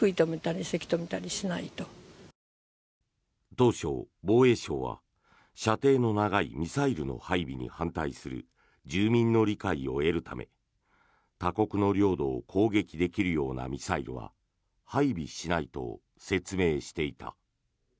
当初、防衛省は射程の長いミサイルの配備に反対する住民の理解を得るため他国の領土を攻撃できるようなミサイルは配備しないと説明していた。